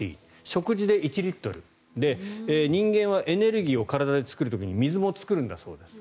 食事で１リットルで人間はエネルギーを体で作る時に水も作るんだそうです。